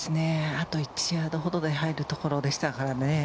あと１ヤードほどで入るところでしたからね。